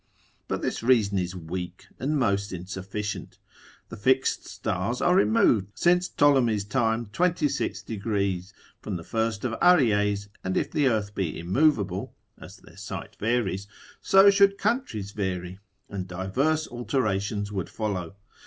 But this reason is weak and most insufficient. The fixed stars are removed since Ptolemy's time 26. gr. from the first of Aries, and if the earth be immovable, as their site varies, so should countries vary, and diverse alterations would follow.